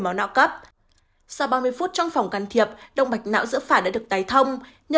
máu não cấp sau ba mươi phút trong phòng can thiệp đông bạch não giữa phải đã được tái thông nhờ